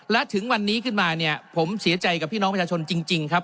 และถึงวันนี้ขึ้นมาเนี่ยผมเสียใจกับพี่น้องประชาชนจริงครับ